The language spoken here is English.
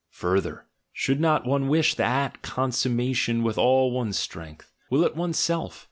Further! Should not one wish that consummation with all one's strength? — will it one's self?